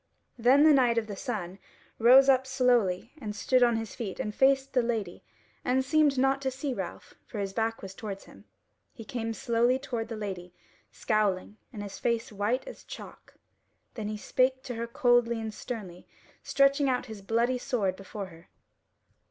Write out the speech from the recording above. Then the Knight of the Sun rose up slowly and stood on his feet and faced the Lady and seemed not to see Ralph, for his back was towards him. He came slowly toward the Lady, scowling, and his face white as chalk; then he spake to her coldly and sternly, stretching out his bloody sword before her.